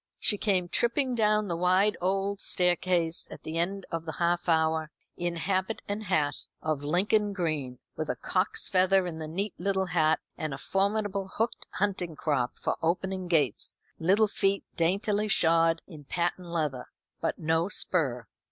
She came tripping down the wide old staircase at the end of the half hour, in habit and hat of Lincoln green, with a cock's feather in the neat little hat, and a formidable hooked hunting crop for opening gates, little feet daintily shod in patent leather, but no spur.